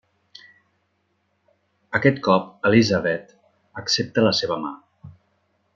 Aquest cop, Elizabeth accepta la seva mà.